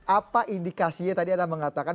apa indikasinya tadi anda mengatakan